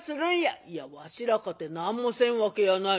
「いやわしらかて何もせんわけやない。